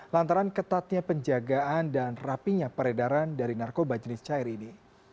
lantaran ketatnya penjagaan dan rapinya peredaran dari narkoba jenis cair ini